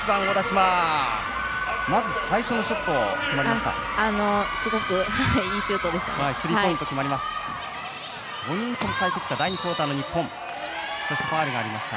まず最初のショットが決まりました。